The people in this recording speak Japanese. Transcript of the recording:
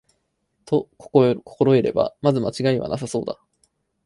と心得れば、まず間違いはなさそうだ